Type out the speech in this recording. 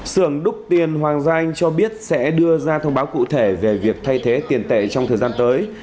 sườn đúc tiền hoàng gia anh cho biết sẽ đưa ra thông báo cụ thể về việc thay thế tiền tệ trong thời gian tới